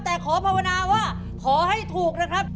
แต่ขอภาวนาว่าขอให้ถูกนะครับ